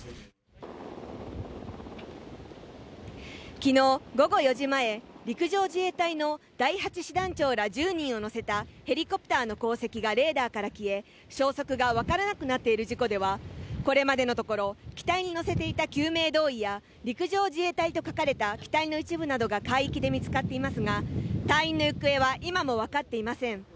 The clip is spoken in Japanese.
昨日午後４時前、陸上自衛隊の第８師団長ら１０人を乗せたヘリコプターの航跡がレーダーから消え、消息がわからなくなっている事故では、これまでのところ、機体に載せていた救命胴衣や陸上自衛隊と書かれた機体の一部などが海域で見つかっていますが、隊員の行方は今もわかっていません。